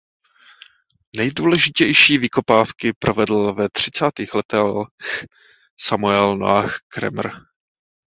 Nejdůležitější vykopávky provedl ve třicátých letech Samuel Noah Kramer.